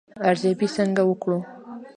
ارزیابي څنګه وکړو؟